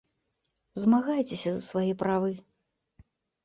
Змагайцеся за свае правы.